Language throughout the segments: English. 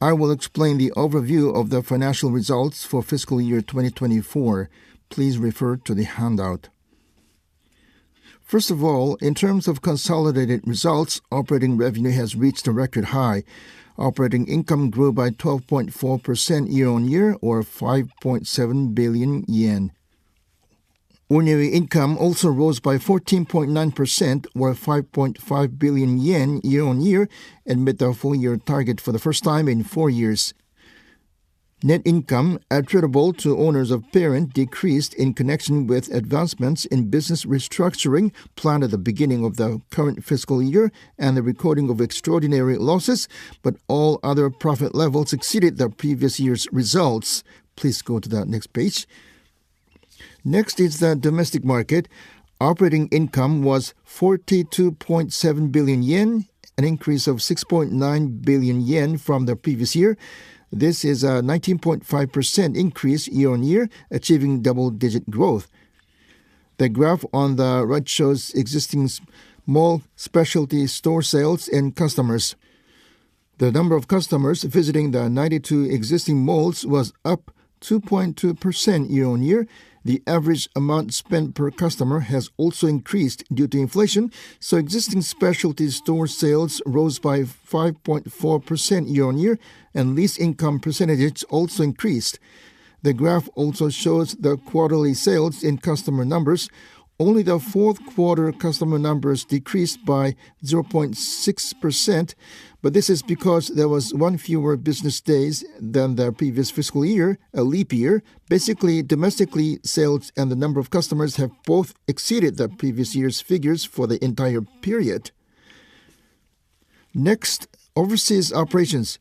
I will explain the overview of the financial results for fiscal year 2024. Please refer to the handout. First of all, in terms of consolidated results, operating revenue has reached a record high. Operating income grew by 12.4% year on year, or 5.7 billion yen. Ordinary income also rose by 14.9%, or 5.5 billion yen year on year, and met the full-year target for the first time in four years. Net income, attributable to owners of parent, decreased in connection with advancements in business restructuring planned at the beginning of the current fiscal year and the recording of extraordinary losses, but all other profit levels exceeded the previous year's results. Please go to the next page. Next is the domestic market. Operating income was 42.7 billion yen, an increase of 6.9 billion yen from the previous year. This is a 19.5% increase year on year, achieving double-digit growth. The graph on the right shows existing mall specialty store sales and customers. The number of customers visiting the 92 existing malls was up 2.2% year on year. The average amount spent per customer has also increased due to inflation, so existing specialty store sales rose by 5.4% year on year, and lease income percentages also increased. The graph also shows the quarterly sales in customer numbers. Only the fourth quarter customer numbers decreased by 0.6%, but this is because there were one fewer business days than the previous fiscal year, a leap year. Basically, domestically sales and the number of customers have both exceeded the previous year's figures for the entire period. Next, overseas operations.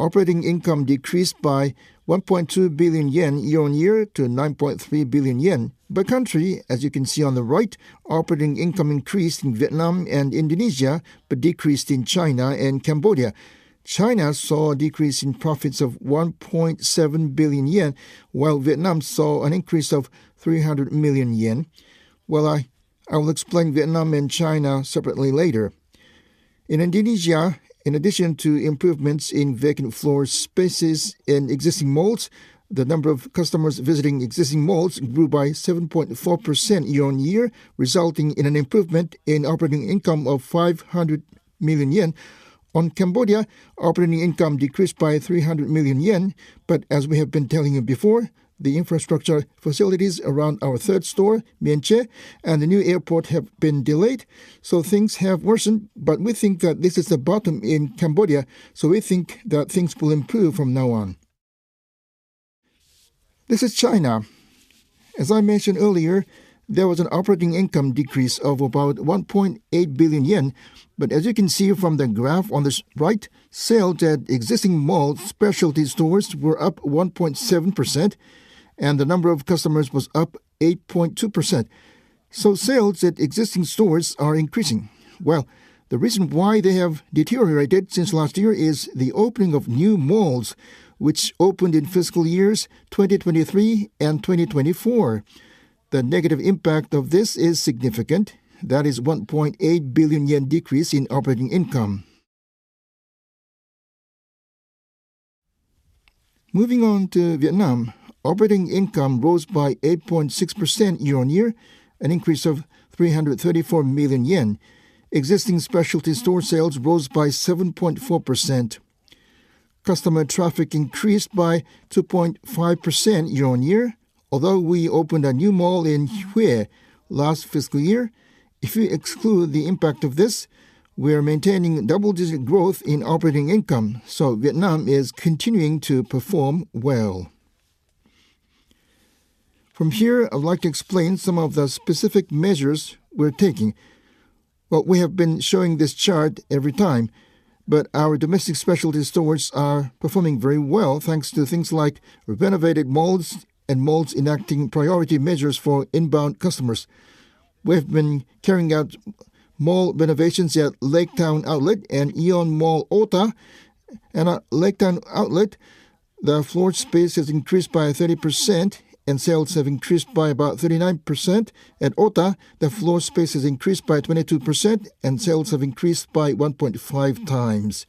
Operating income decreased by 1.2 billion yen year on year to 9.3 billion yen. By country, as you can see on the right, operating income increased in Vietnam and Indonesia but decreased in China and Cambodia. China saw a decrease in profits of 1.7 billion yen, while Vietnam saw an increase of 300 million yen. I will explain Vietnam and China separately later. In Indonesia, in addition to improvements in vacant floor spaces in existing malls, the number of customers visiting existing malls grew by 7.4% year on year, resulting in an improvement in operating income of 500 million yen. On Cambodia, operating income decreased by 300 million yen, but as we have been telling you before, the infrastructure facilities around our third store, Mean Chey, and the new airport have been delayed, so things have worsened. We think that this is the bottom in Cambodia, so we think that things will improve from now on. This is China. As I mentioned earlier, there was an operating income decrease of about 1.8 billion yen, but as you can see from the graph on the right, sales at existing mall specialty stores were up 1.7%, and the number of customers was up 8.2%. Sales at existing stores are increasing. The reason why they have deteriorated since last year is the opening of new malls, which opened in fiscal years 2023 and 2024. The negative impact of this is significant. That is a 1.8 billion yen decrease in operating income. Moving on to Vietnam, operating income rose by 8.6% year on year, an increase of 334 million yen. Existing specialty store sales rose by 7.4%. Customer traffic increased by 2.5% year on year, although we opened a new mall in Hue last fiscal year. If we exclude the impact of this, we are maintaining double-digit growth in operating income, so Vietnam is continuing to perform well. From here, I'd like to explain some of the specific measures we're taking. We have been showing this chart every time, but our domestic specialty stores are performing very well thanks to things like renovated malls and malls enacting priority measures for inbound customers. We have been carrying out mall renovations at LakeTown Outlet and Aeon Mall Ota. At LakeTown Outlet, the floor space has increased by 30%, and sales have increased by about 39%. At Ota, the floor space has increased by 22%, and sales have increased by 1.5 times.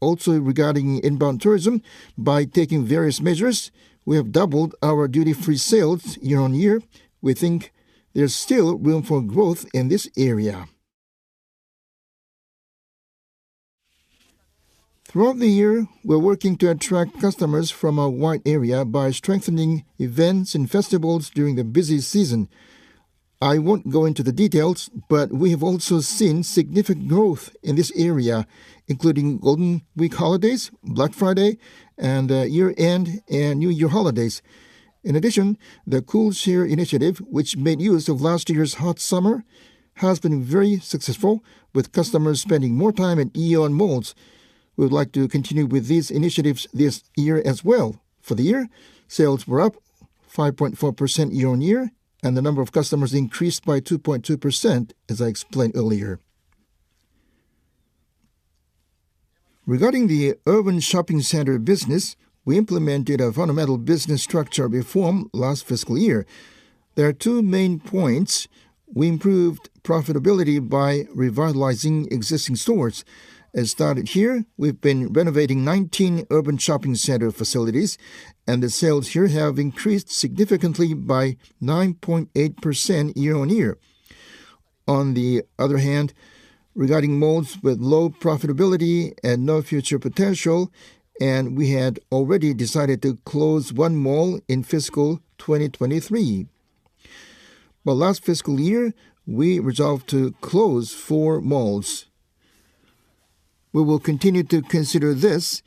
Also regarding inbound tourism, by taking various measures, we have doubled our duty-free sales year on year. We think there's still room for growth in this area. Throughout the year, we are working to attract customers from a wide area by strengthening events and festivals during the busy season. I will not go into the details, but we have also seen significant growth in this area, including Golden Week holidays, Black Friday, and year-end and New Year holidays. In addition, the Cool Share initiative, which made use of last year's hot summer, has been very successful, with customers spending more time at Aeon Malls. We would like to continue with these initiatives this year as well. For the year, sales were up 5.4% year on year, and the number of customers increased by 2.2%, as I explained earlier. Regarding the urban shopping center business, we implemented a fundamental business structure reform last fiscal year. There are two main points. We improved profitability by revitalizing existing stores. As stated here, we've been renovating 19 urban shopping center facilities, and the sales here have increased significantly by 9.8% year on year. On the other hand, regarding malls with low profitability and no future potential, we had already decided to close one mall in fiscal 2023. Last fiscal year, we resolved to close four malls. We will continue to consider this,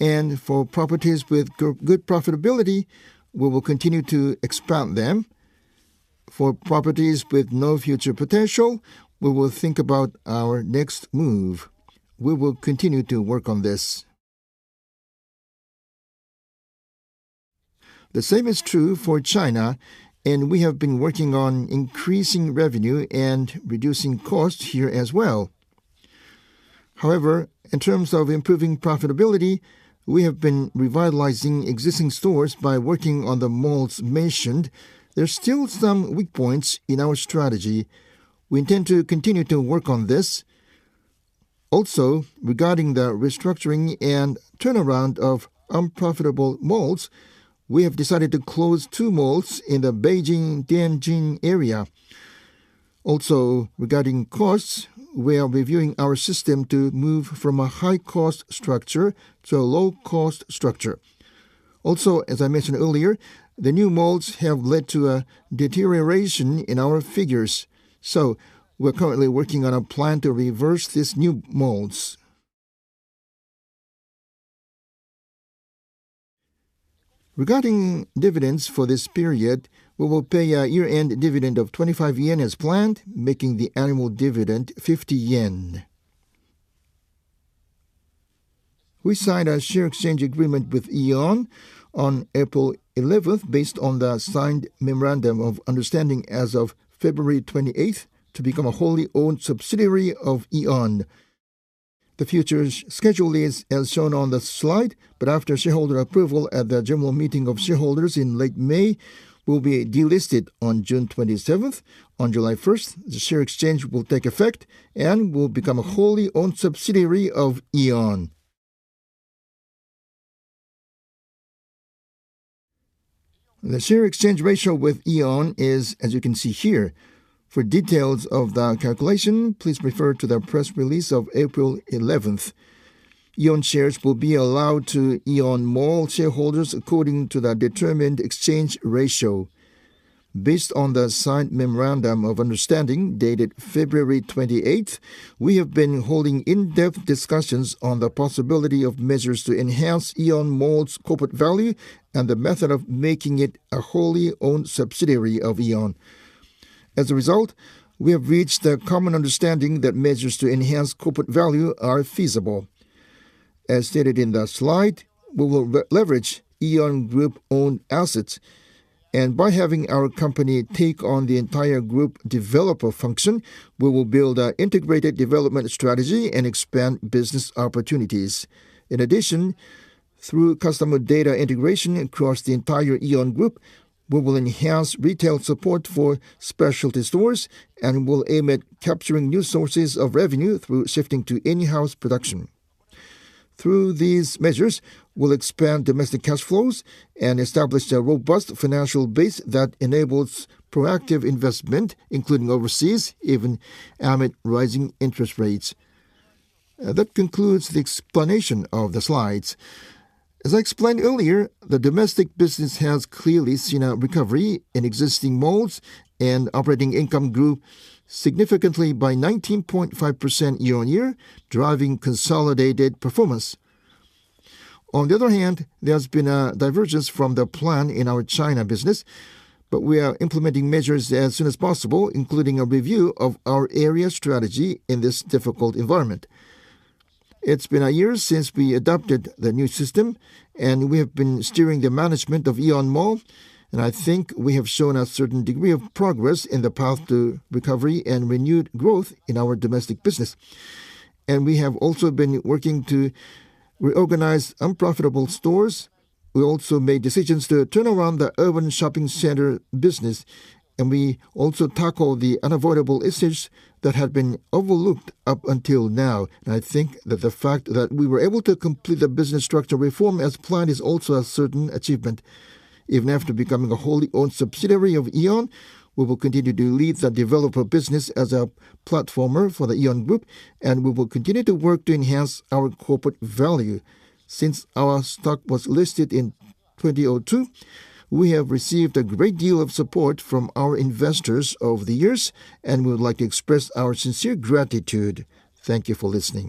and for properties with good profitability, we will continue to expand them. For properties with no future potential, we will think about our next move. We will continue to work on this. The same is true for China, and we have been working on increasing revenue and reducing costs here as well. However, in terms of improving profitability, we have been revitalizing existing stores by working on the malls mentioned. There are still some weak points in our strategy. We intend to continue to work on this. Also, regarding the restructuring and turnaround of unprofitable malls, we have decided to close two malls in the Beijing-Tianjin area. Also, regarding costs, we are reviewing our system to move from a high-cost structure to a low-cost structure. Also, as I mentioned earlier, the new malls have led to a deterioration in our figures, so we're currently working on a plan to reverse these new malls. Regarding dividends for this period, we will pay a year-end dividend of 25 yen as planned, making the annual dividend 50 yen. We signed a share exchange agreement with Aeon on April 11 based on the signed memorandum of understanding as of February 28 to become a wholly owned subsidiary of Aeon. The future schedule is as shown on the slide, but after shareholder approval at the general meeting of shareholders in late May, we'll be delisted on June 27. On July 1st, the share exchange will take effect and will become a wholly owned subsidiary of Aeon. The share exchange ratio with Aeon is, as you can see here. For details of the calculation, please refer to the press release of April 11th. Aeon shares will be allotted to Aeon Mall shareholders according to the determined exchange ratio. Based on the signed memorandum of understanding dated February 28th, we have been holding in-depth discussions on the possibility of measures to enhance Aeon Mall's corporate value and the method of making it a wholly owned subsidiary of Aeon. As a result, we have reached the common understanding that measures to enhance corporate value are feasible. As stated in the slide, we will leverage Aeon Group-owned assets, and by having our company take on the entire group developer function, we will build an integrated development strategy and expand business opportunities. In addition, through customer data integration across the entire Aeon Group, we will enhance retail support for specialty stores and will aim at capturing new sources of revenue through shifting to in-house production. Through these measures, we'll expand domestic cash flows and establish a robust financial base that enables proactive investment, including overseas, even amid rising interest rates. That concludes the explanation of the slides. As I explained earlier, the domestic business has clearly seen a recovery in existing malls and operating income grew significantly by 19.5% year on year, driving consolidated performance. On the other hand, there has been a divergence from the plan in our China business, but we are implementing measures as soon as possible, including a review of our area strategy in this difficult environment. has been a year since we adopted the new system, and we have been steering the management of Aeon Mall, and I think we have shown a certain degree of progress in the path to recovery and renewed growth in our domestic business. We have also been working to reorganize unprofitable stores. We also made decisions to turn around the urban shopping center business, and we also tackled the unavoidable issues that had been overlooked up until now. I think that the fact that we were able to complete the business structure reform as planned is also a certain achievement. Even after becoming a wholly owned subsidiary of Aeon, we will continue to lead the developer business as a platformer for the Aeon Group, and we will continue to work to enhance our corporate value. Since our stock was listed in 2002, we have received a great deal of support from our investors over the years, and we would like to express our sincere gratitude. Thank you for listening.